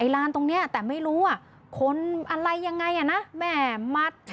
ไอ้ร้านตรงเนี้ยแต่ไม่รู้อ่ะคนอะไรยังไงอ่ะนะแหม่มัด